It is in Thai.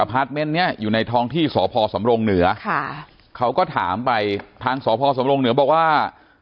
พาร์ทเมนต์เนี้ยอยู่ในท้องที่สพสำรงเหนือค่ะเขาก็ถามไปทางสพสำรงเหนือบอกว่า